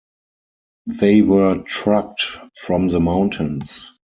They were trucked from the mountains.